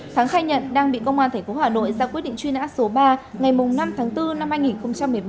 thắng khai nhận đang bị công an tp hà nội ra quyết định truy nã số ba ngày năm tháng bốn năm hai nghìn một mươi bảy